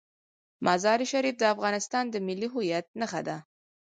مزارشریف د افغانستان د ملي هویت نښه ده.